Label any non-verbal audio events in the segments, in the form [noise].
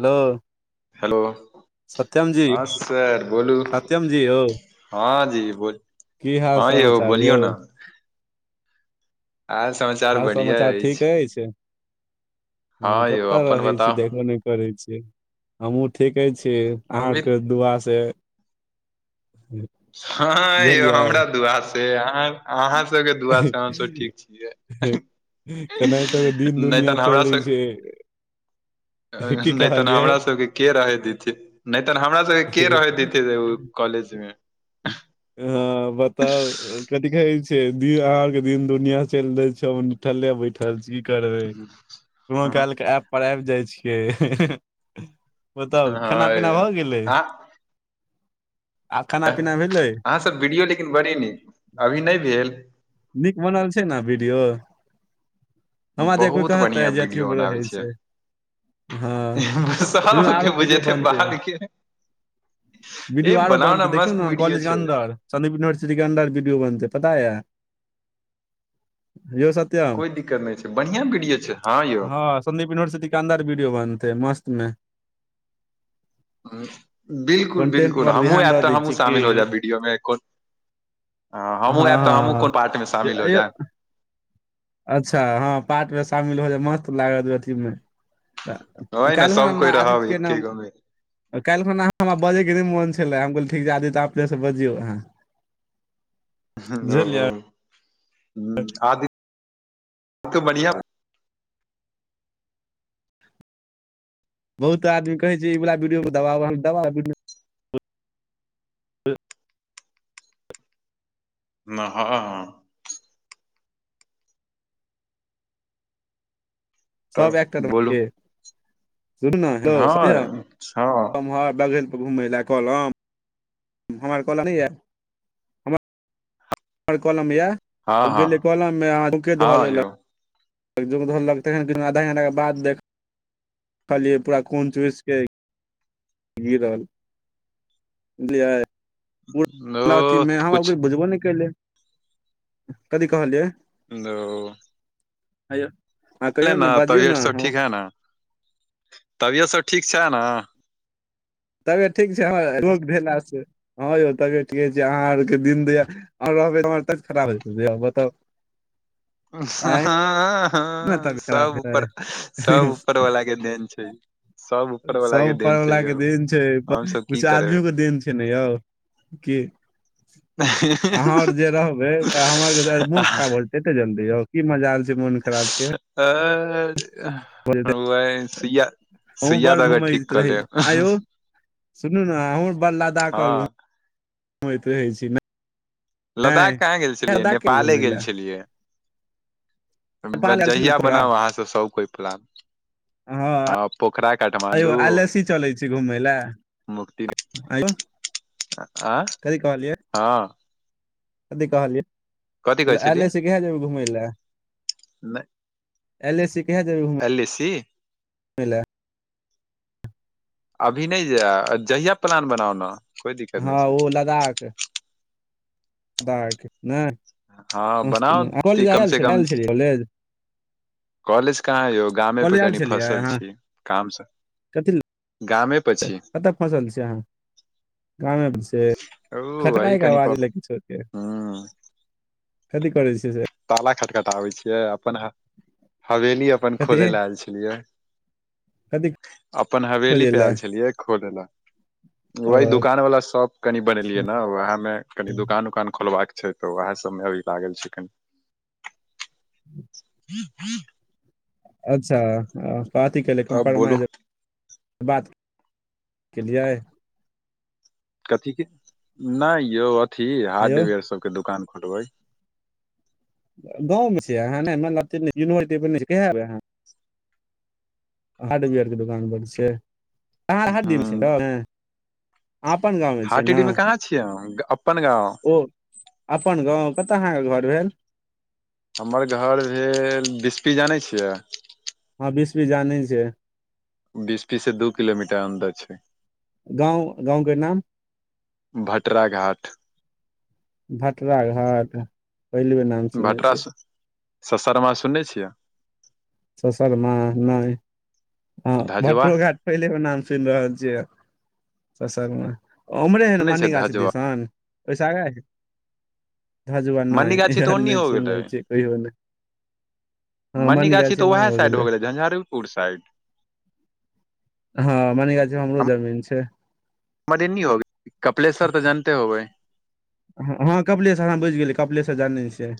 Hello hello Satyam ji हँ sir बोलू सत्यम जी यौ [inaudible] हँ जी बो की हाल हँ यौ समाचार बोलियौ न [unintelligible] हाल समाचार अछि ठीक एछै [inaudible] हऽ हँ यौ कत अपन रहै छी बताउ देखो करै छै हम हुँ ठीके छी अहाँ आर अभी कऽ दुआ से [unintelligible] हऽ हऽ यौ बुझलियै हमरा दुआ से आहाॅं अहाँ सब केँ दुआ से हम सभ ठीक छियै। केनाहितो कऽ [unintelligible] दिन नै दुनिया तऽ हमरा चलै सभ छै की [inaudible] नै तऽ कहलियै हमरा सब - केँ रहै देथै नै तऽ हमरा सब केँ रहे देथै ओइ कॉलेज में हँ बताउ कथी कहै छै [unintelligible] क दिन दुनिया चैल दै छौन। निठल्ले बैठल छी की करबे [inaudible] कोनो हँ काल केँ ऐप पर आइब जाइ छियै [unintelligible] यौ बतौअ खाना पीना भऽ गेलै। अहाँ आ खाना पीना भेलै अहाँ सभ वीडियो लेकिन बड़ी नीक अभी नै भेल। नीक बनल छै न वीडियो। हमरा दिया कोइ बहुत कहतै बढ़िया जे अथियो वीडियो में रहै बनाबै छियै छै। हऽ देखियो सबके आरो वीडियो बुझेतै बनतै बाहर के वीडियो ए आरो बनाउ ने बनतै देखियौ मस्त न वीडियो कॉलेज कऽ छै अन्दर सन्दीप यूनिवर्सिटी कऽ अन्दर विडियो बनतै पता यऽ [inaudible] यहो सब कोई दिक्कत नै छै बढ़ियां वीडियो छै हऽ यौ। सदीप यूनिवर्सिटीक अंदर वीडियो बनतै मस्त में बिल्कुल कॉन्टेंट बिल्कुल पर हमहुँ ध्यान ऐब दऽ दै तऽ हमहुँ छियै की शामिल हो जायब वीडियो में। हँ हमहुँ ऐब तऽ हमहूँ कोन पार्ट में शामिल हो हँ जैम अच्छा हँ पार्ट में शामिल हो जाब मस्त लागत अथी में। ओहि ने काइल सब [unintelligible] कोइ आदित्य रहब केँ न एके गो मे काइल खुना हमरा बजै केँ नै मन छलै हम कहलिय ठीक छै आदित तऽ अपने स बजियौ अहाँ। [inaudible] बुझलियै [unintelligible] बहुत आदमी कहै छै ई बला विडियो कऽ [unintelligible] [unintelligible] न हाँ सब तब वहाए बोलू करलकै [unintelligible] कलम हँ हँ हमर कलम नहि या हमर कलम या हँ हँ गेलै कलम मे आ जोंके धऽ हँ यौ लेलक जोंक धलेलक तेहेन की आधा घंटा के बाद देख खलियै पूरा खुन चूइस के गिरल बुझलियै ओ मुदा अथिमे हम कुछ आब बुझबो नहि कैलियै कथि कहलियै। हेलो हँ कहियौ न ने बाजियौ तबियत सब ने ठीक हा न तबियत सब ठीक छै ना तबियत ठीक छै हमर रोग भेला से हाँ यौ तबीयत ठीके छैय अहाँ आरके दिन दया रहबै त हमर तबीयत खराब हेतै बताउ [inaudible] आँय अपने हँ-ह-हाँ तबियत खराब सब उपर हेतै सब ऊपर वला के देन छैय सब उपर वला के देन छै। हमसभ की किछु करबै आदमियो के देन छै ने यौ की हें-ही अहाँ आओर जे रहबे तऽ हमर जे मोन खराब भ जेतै एते जल्दी यौ की मजाल छै मन खराबके ऐ-अ-ऐ वहीं सुइया अहूँ सुइया बड़ दऽ क ठीक घुमैत कऽ रहै छी लेब आँय यौ सुनू ने हमहूँ बड़ लदाख हँ घुमैत रहै छियै न लदाख कहाँ गेल छलियै लद्दाख किया नेपाले घुमय गेल लए छलियै नेपाल आयल छी ने जहिया थोड़ा बनाउ अहाँ सब सब कोय प्लान हँ हाँ पोखरा काठमाण्डू आयल सी मुक्ति- ऐंयौ ऐं-अ-हाँ कथी कहलियै छलियै आयले छी कहिया जेबै घूमैलय अयले छी कहिया जेबै घूम अयलसी कै ला अभी नहि जायब जहिया प्लान बनाउ ने कोइ दिक्कत नहि हाँ छै ओ लदाख लदाख नहि हँ अस त बनाउ नहि कॉलेज कम ऐल से छलियै कम ऐल छलियै कॉलेज कॉलेज कहाँ यौ गामे पर कॉलेज आयल कनि छलियै फँसल अहाँ छी कामसँ कथी लए गामे कतऽ फँसल छियै अहाँ गामे मे छी से ओ अही खटनाइ के कनि आवाज प लगै छैय से ह कथी करय छियै से ताला खटखटाबै छियै अपन हवे-हवेली अपन कथी खोजै लय आयल छलियै कथी अपन हवेली खोजै पे लए आयल छलियै खोले लय ओ वहि दुकान वाला शॉ- कनि बनेलियै ने वैह मे कनि दुकान उकान खोलबाक छैय तऽ वैह सबमे अभी लागल छियै कनि [inaudible] [unintelligible] अच्छा कथी केे ले तब बोलू कम्प्रमाइज बात [inaudible] केलियै कथी केँ नै यौ अथी हेयौ हार्डवेयर सब केँ दोकान खोलबै गाँव मे छियै [unintelligible] -कहिया एबै अहाँ हार्डवेयर के दोकान खोलै छियै [unintelligible] दिन छियै ने रौ ह नहि अहाँ अपन गाँव में छियै न हाटीडी मे कहाँ छियै अहाँ? अपन गाँव [inaudible] ओ अपन गाँव कतऽ अहाँ कऽ घर भेल हमर घर भेल बिस्फी जानै छियै हऽ बीस्फी जानै छियै बिस्फी से दू किलोमीटर अन्दर छैय [inaudible] गाँव गाँवके नाम भटरा घाट भटरा घाट पहिल बेर नाम सुनने भटरा छी स [inaudible] ससरमा सुनने छियै ससरमा नै [inaudible] हऽ धजवा भटरो घाट पहिले बेर नाम सुन रहल छियै [inaudible] ससरमा उम्हरे हय न सुनै छै मणिगाछी धजवा दिसन ओइस आगाँ हय धाजबानै मन्नी गाछी है ऐ तऽ नै ओन्नी हो गेलै सुनने छियो कहियो नै [inaudible] हँ मन्नी मानिगाछी गाछी तऽ उहै साइड हो गेलै झंझारीपुर साइड हँ मानिगाछी म हमरो जमीन छै [unintelligible] कपिलेश्वर तऽ जानते होबे हऽ हऽ कपिलेश्वर हऽ बुझि गेलियै कपिलेशर जानने छियै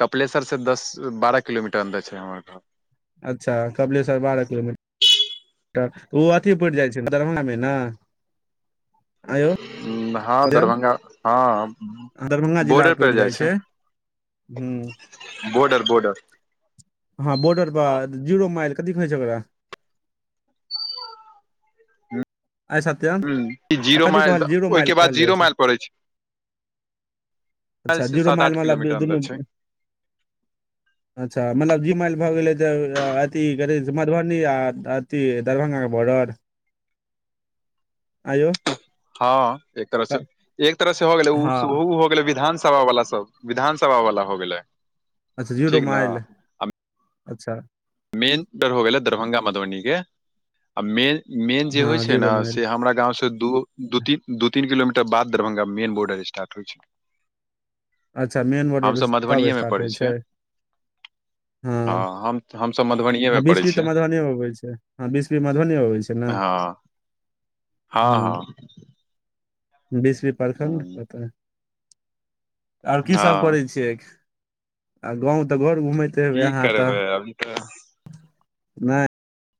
कपलेशर से दस बारह किलोमीटर अन्दर छैय हमर घर अच्छ कपलेशर बारह किलोमीटर तऽ ओ अथी पैड़ जाय छैय दरभंगा में ने [inaudible] आंय यौ हँ दरभंगा हँ दरभंगा जिला बोर्डर मे पैड़ पड़ि जाय जाइ छैय छै ह बोर्डर बोर्डर हँ बोर्डर बाद जीरो माइल कथि कहै छैय ओकरा आइ सत्यम बॉर्डर आ जीरो कथि माइल कहल जीरो माइल ओहिके बाद कहल जाइ जीरो छैय माइल पड़ै छै माइल अच्छा से जीरो सात मइल आठ मला किलोमीटर दुनु अन्दर [inaudible] छै अच्छा मतलब जीमाइल भऽ गेलै तऽ अथी करै स मधुबनी आ ती है दरभंगा कऽ बॉर्डर आयौ हँ एक तरह से एक तरह से हो गेलै [unintelligible] हँ हो गेलै विधान सभा वाला तब विधानसभा वाला हो गेलै अच्छा ठीक ने जीरोमाइल [inaudible] अच्छा मेन टेर हो गेलै दरभंगा मधुबनी केँ आ मेन मेन जे हँ होइ छै जीरो न माइल से हमरा गाँव स दु दू तीन दू तीन किलोमीटर बाद दरभंगा मेन बोर्डर स्टार्ट होइ छै अच्छा मेन [inaudible] हम बॉर्डर सभ मधुबनी तब ये में स्टार्ट पड़ै होइ छियै छै [inaudible] हऽ हम हम सब मधुबनी हऽ विस्फी तऽ मधुबनी ए अबै छै हऽ विस्फी मधुबनी अबै छै न हऽ हऽ [inaudible] बिस्फी प्रखंड हम्म, पता और की सब हँ करे छियै [inaudible] आ गाँव तऽ घर घूमे की करबै अभी तऽ नए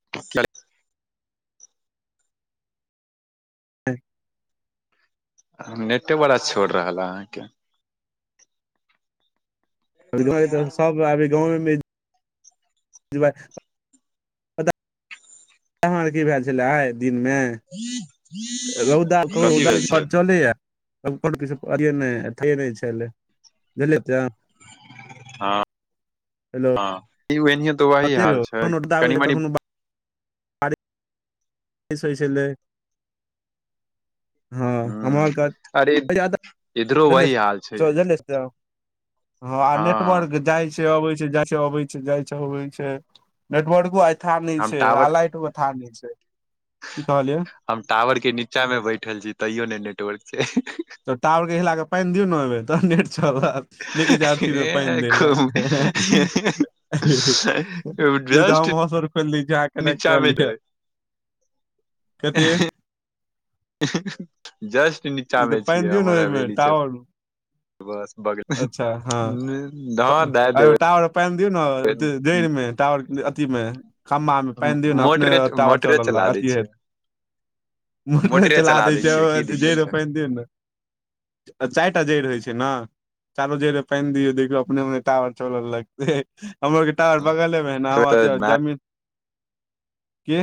[inaudible] हे [inaudible] ह नेटे बरा छोड़ रहल अहाँके हमरा [inaudible] तरफ सब गाँव मे [inaudible] ऐम्हर की भेल छले आइ दिन में रौदा [inaudible] खूब कथी रौदा भेल [inaudible] छै बात चलैया [inaudible] हँ हेलो हँ यो एनहू तऽ वही कते हाल यौ छै कखनो रौदा होइ कनि छै मनी कखनो किस सब छलै ह अरे [inaudible] इधरो वही हाल छै हँ आ नेटवर्क जाइ छै अबै छै जाय छै अबै छै जाय छै अबै छै नेटवर्को आइ आथ नय हम छै आ टावर लाइट थाह नय छै की कहलियै हम टावर के नीचा में बैठल छी तैयो ने नेटवर्क छै तऽ टावर के हिलाके पाइन दिय ने ओय में तहन ने नेट चलत नय कह आरथी मे पाइन ए, द ल खूब नय जस्ट तऽह खोल दै छी अहाँ कनेक्ट कऽ नीचा मे कलिय कथि जस्ट नीचा ई में तऽ पानि छियै दियौ ने हमर ओहिमे हवेली छैय‌ टावर बस बगले अच्छा हँ में ह धाँ दए अ टावर पानि दियौ ने देब जड़ि मे टावर अथी में खमा में पानि दियऔ ने अपने मोटरे टावर मोटरे चलल लाग चला दै अथी हे छियै मोटरे चला दै छै जैड़ मे पइन दिऔ नऽ चाइर टा जेड़ होैत छै न चारो जेड़ पाइन दियै देखियऔ अपने अपने टावर चल लगतै हमरो टाबर बगले में है न छै ओ अथी तऽ जमीन की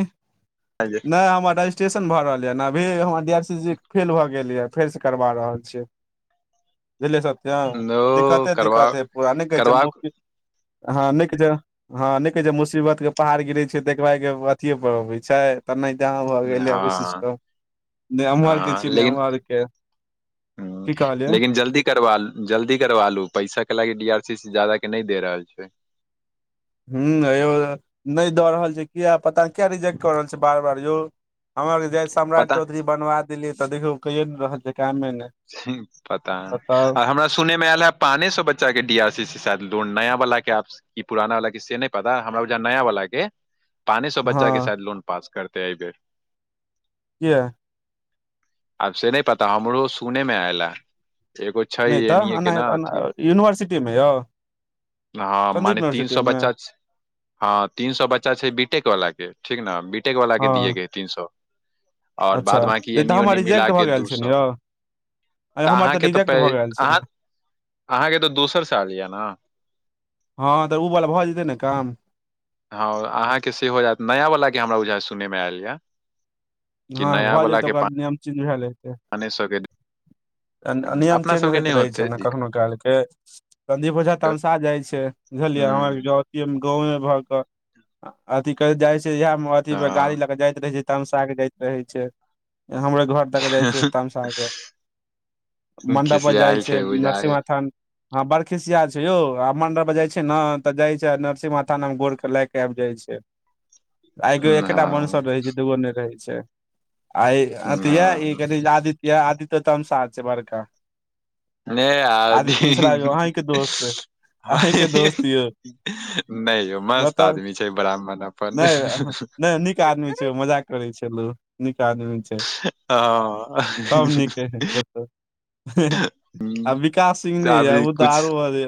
नय हमर रजिस्ट्रेशन भऽ रहल यऽ अभी हमर D R C C fail भऽ गेल यऽ फेरसँ करबा रहल छियै [unintelligible] ओ दिक्कते करबा दिक्कते पूरा नय कह छै करबा ह नय छै हँ नय कहै छै मुसीबत के पहाड़ गिरै छै तऽ एकबागऽ अथिए पर अबै छै तैना हिते अहाँ भऽ गेल अभी हँ [unintelligible] ने एम्हर के छी ने लेकिन ओम्हर हँ लेकिन जल्दी करवा जल्दी करवा लु पैसा कैला की डी आर सी सी जादा के नय दे रहल छै हूँ हयौ नय दऽ रहल छै किया पता नै किया रिजेक्ट कऽ रहल छै बार बार यौ हमरा जेहिया स सम्राट पता चौधरी बनवा देलियै तऽ देखियौ कइये नै रहल छै कामे नै पता नय आ हमरा सुनैमे आयल हँ पाने सए बच्चा के डी आर सी सी स एत लोन नया बला के कि पुराना वला के से नय पता हमरा बुझैया नया वला के पाने सए बच्चा के हँ शायद लोन पास करते ऐइ बेर किया आब से नय पता हमरो सुने में आयल एय एगो छै नहि तऽ एनीए के एना न एना अथी यूनिवर्सिटी मे यौ हँ संदीप मने तीन यूनिवर्सिटी सौअ मे बच्चा हँ तीन सौअ बच्चा छै बी टेक वला के ठीक ने बी टेक वला के हँ दियए के ऐ तीन सौअ आओर अच्छा बाद बकी नहि तऽ एन्नी हमर ओनी मिला रिजेक्ट भऽ केँ गेल दू छै ने सौ यौ अरे तऽ हमर अहाँके तऽ पै रिजेक्ट भऽ गेल छै ने। अहाँ अहाँकेँ तऽ दोसर साल यऽ नऽ हँ तऽ उ बला भऽ जेतै नऽ काम हँ अहाँकेँ से हो जायत नया वला केँ हमरा बुझाय सुनय मे आयल यऽ कि हँ नया भऽ वाला जेत के ओकर नियम चेंज भैल हेतै पाने सबके तहन नियम अपना चेंज सबके होइत नहि रहै होते छै नऽ दिक्कत कखनो कालकेँ संदीप ओझा तमसा जाइ छै बुझलियै अहाँक हूँ जाउ की हम गाँवे भऽ कऽ अथी करैत जाय छै इहै मऽ अथि मऽ गाड़ी हँ लऽ कऽ जाइत रहे छै तमसा कऽ जाइत रहे छै हमरे घर तक जाइ छै तमसा कऽ मंडप पर जाइ खिसियाल छै बुझाय नरसिम्हा स्थान हँ बड़खिसिया छै यौ आ मंडप पर जाइ छै नऽ तऽ जाइ छै नरसिंह माथा लंग गोर कऽ लैग कऽ आइब जाइ छै। आइग एकेटा हँ वंशर रहै छै दूगो नय रहै छै। आय अथि य ई हँ कथी आदित्य आदितो तमसाह छै बड़का नहि आदी आदित्य मिश्रा यौ अहीकेँ दोस्त अहीकेँ दोस्त यौ नय यौ मस्त बताउ आदमी छै ब्राह्मण अपन निकेँ आदमी छै मजाक करे छलु निक आदमी छै हँ सब नीके हइ बताउ आ विकास सिंह नय यऽ अभी उ तऽ कुछ आरो अरे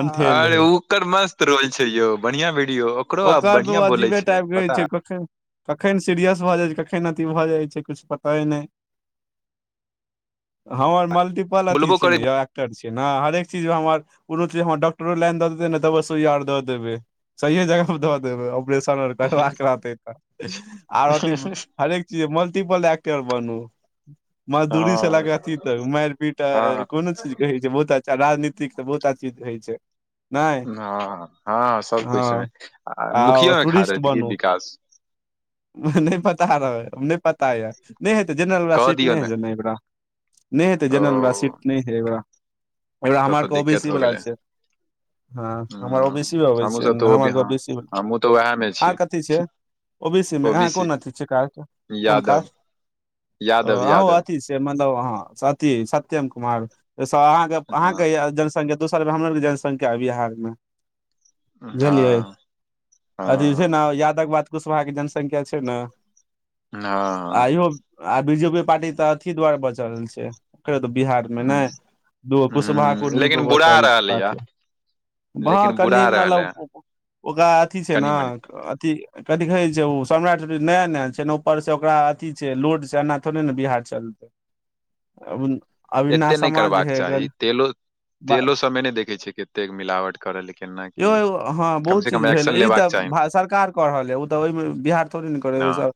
अनठेल अरे है ओकर मस्त रोल छै यौ बढ़िया वीडियो ओकरो आब बढ़िया बोलै छै पता कखैन सीरियस भऽ जाइ छै कखैन अथि भऽ जाइ छै किछ पताए नय हमर मल्टीपल अथी बोलबो छी करै नऽ यौ एक्टर छिये नऽ हरेक चीज म हम अर कोनो चीज हमर डॉक्टरो लाइन द देतै नऽ तैबो सुईया आर दऽ देबै सहिए जगह पर धऽ देबै ऑपरेशन आर करबाक रहतै तऽ आर अथी हरेक चीज मल्टीपल डॉक्टर बनू मजदूरी सँ लऽ हँ कऽ अथि तक माइर पीट आ हँ कोनो चीज कहै छै बहुत अच्छा राजनीतिक कऽ बहुता चीज होइ छै। नहि हँ - हँ सबकछु मे हँ आ मुखियो मे खार होयत की विकास नय पता रहै नय पता यऽ नय हेतै जेनरल वला कह सीट दियौ नय ने हेतै नऽ एय बेरा नय हेतै ओ जेनरल बला सीट नय हेतै एय बेरा एय बेरा तब हमरा आर तऽ केँ ओबी सी दिक्कत हो वला गेलै छै। हँ हमर ओ ह बी सी म अबै हमहुँ छै सब नऽ तऽ भी हमर ओ हँ बी सी हमहुँ तऽ उएह मे अहाँ छी कथी छिये ओबी सी मे ओ बी अहाँ सी कोन अथी छिये कास्ट कोन यादव कास्ट ओ यादव अहूँ यादव अथि छियै मतलब अहाँ अथि सत्यम कुमार तऽ सँ अहाँकेँ हँ आहाँकेँ य जनसंख दो साल हमर आर केँ जनसंख्या यऽ बिहार मे बुझलियै हँ अथी छै हँ नऽ यादव केँ बात कुशवाहा केँ जनसंख्या छै नऽ आ इहो आ बी जेे पी यो पार्टी तऽ अथी दुआरे बचल छै बिहार मे हँ नय दूगो कुशबा ह कुर्मी लेकिन पर बुरा बचल छै रहलै या पार्टी हँ लेकिन कनि बुरा मतलब रहलै ओकरा अथी छै कनि मनि नऽ अथी कथि कहै छै उ सम्राट चौधरी नया - नया छै नऽ ऊपर से ओकरा अथि छै लोड छै एना थोड़े नऽ बिहार चलतै अ अभी ना एते नहि समाज करबाक हे एखन चाही तेलो बार तेलो सबमे नहि देखै छियै कतेक मिलावट करल केना यौ की एगो हँ कम बहुत से कम चीज भेल एक्शन इ लेबाक तऽ चाही भा सर कार कऽ रहल य उ तऽ ओहिमे बिहार थोड़ि नऽ करै ओय ने सँ